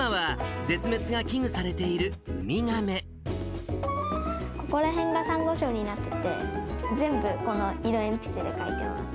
テーマは、ここら辺がサンゴ礁になってて、全部、この色鉛筆で描いてます。